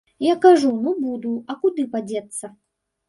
Я кажу, ну буду, а куды падзецца.